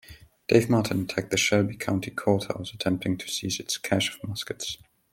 Dave Martin attacked the Shelby County Courthouse, attempting to seize its cache of muskets.